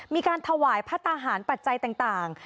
มีการถวายพระทหารปัจจัยต่าง